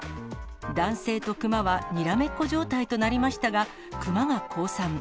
男性と熊はにらめっこ状態となりましたが、熊が降参。